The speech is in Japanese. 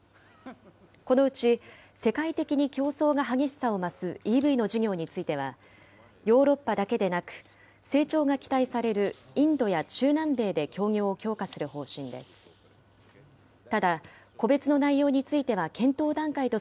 このうち世界的に競争が激しさを増すＥＶの事業については、ヨーロッパだけでなく、成長が期待されるインドや中南米で協業を強化する方針です。